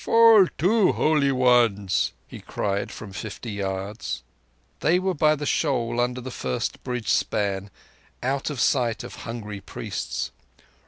"Fall to, Holy Ones!" he cried from fifty yards. (They were by the shoal under the first bridge span, out of sight of hungry priests.)